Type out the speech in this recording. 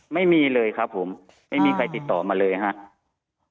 ไม่มีเลยครับผมไม่มีใครติดต่อมาเลยครับ